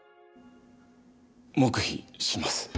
黙秘します。